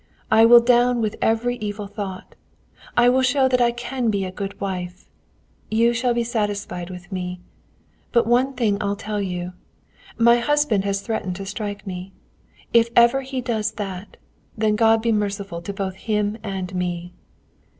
I will down with every evil thought. I will show that I can be a good wife. You shall be satisfied with me. But one thing I'll tell you. My husband has threatened to strike me. If ever he does that, then God be merciful both to him and me."